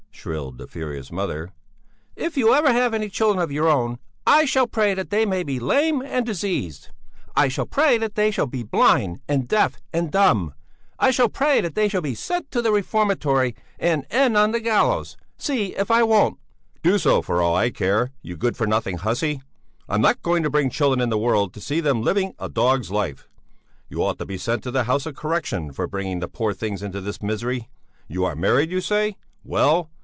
shrilled the furious mother. "If you ever have any children of your own, I shall pray that they may be lame and diseased; I shall pray that they shall be blind and deaf and dumb; I shall pray that they shall be sent to the reformatory and end on the gallows; see if I won't." "Do so for all I care, you good for nothing hussy! I'm not going to bring children into the world to see them living a dog's life. You ought to be sent to the House of Correction, for bringing the poor things into all this misery. You are married, you say? Well!